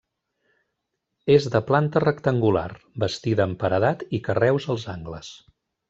És de planta rectangular, bastida amb paredat i carreus als angles.